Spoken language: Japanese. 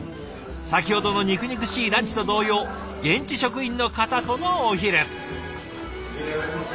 先ほどの肉々しいランチと同様現地職員の方とのお昼。